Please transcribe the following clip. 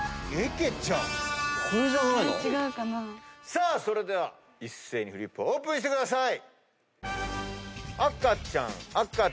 さあそれでは一斉にフリップオープンしてください。